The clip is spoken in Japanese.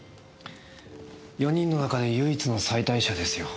４人の中で唯一の妻帯者ですよ。